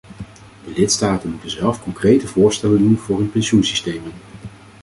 De lidstaten moeten zelf concrete voorstellen doen voor hun pensioensystemen.